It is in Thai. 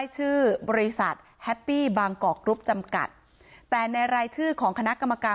เพราะไม่มีเงินไปกินหรูอยู่สบายแบบสร้างภาพ